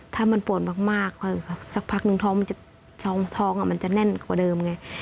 ถ้ามันปวดมากสักพักนึงท้องมันจะแน่นกว่าเดิมไง